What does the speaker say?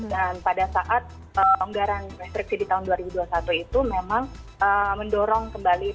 dan pada saat pelonggaran restriksi di tahun dua ribu dua puluh satu itu memang mendorong kembali